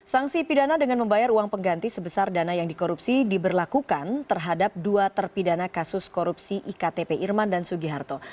sanksi pidana dengan membayar uang pengganti sebesar dana yang dikorupsi diberlakukan terhadap dua terpidana kasus korupsi iktp irman dan sugiharto